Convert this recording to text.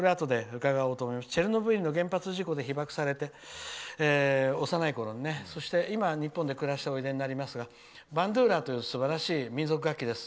「幼いころにチェルノブイリの原発事故で被ばくされて今は日本で暮らしておいでになりますがバンドゥーラというすばらしい民族楽器です。